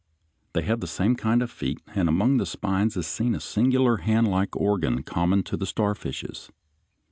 They have the same kind of feet, and among the spines is seen a singular handlike organ common to the starfishes.